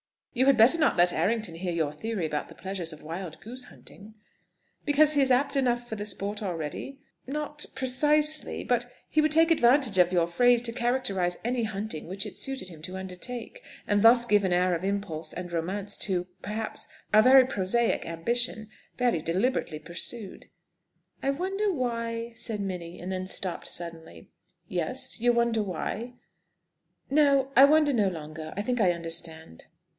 "You had better not let Errington hear your theory about the pleasures of wild goose hunting." "Because he is apt enough for the sport already?" "N not precisely. But he would take advantage of your phrase to characterise any hunting which it suited him to undertake, and thus give an air of impulse and romance to, perhaps, a very prosaic ambition, very deliberately pursued." "I wonder why ," said Minnie, and then stopped suddenly. "Yes! You wonder why?" "No, I wonder no longer. I think I understand."